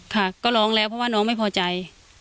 ค่ะก็ร้องแล้วเพราะว่าน้องไม่พอใจ